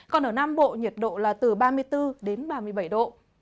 còn ở nam bộ nhiệt độ là từ ba mươi bốn đến ba mươi bảy độ